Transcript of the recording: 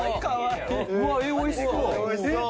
うわっえっおいしそう！